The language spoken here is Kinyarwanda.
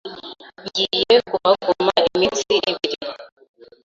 Ngiye kuhaguma iminsi ibiri